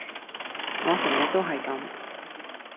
我成日都係咁